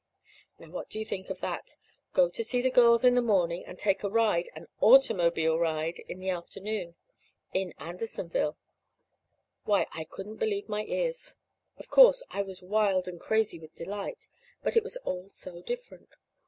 Now, what do you think of that? Go to see the girls in the morning, and take a ride an automobile ride! in the afternoon. In Andersonville! Why, I couldn't believe my ears. Of course, I was wild and crazy with delight but it was all so different.